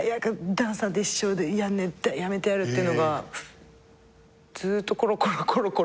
ダンスなんて一生やんねえやめてやるっていうのがずっところころころころある。